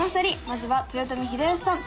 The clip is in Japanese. まずは豊臣秀吉さん！